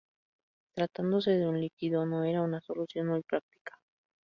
Tratándose de un líquido, no era una solución muy práctica.